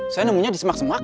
saya nemunya di semak semak